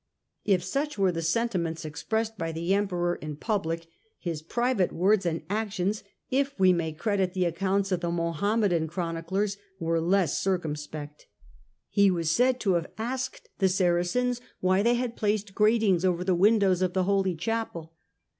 ' If such were the sentiments expressed by the Emperor in public, his private words and actions if we may credit the accounts of Mohammedan chroniclers were less circumspect. He was said to have asked the Saracens why they had placed gratings over the windows of the Holy Chapel.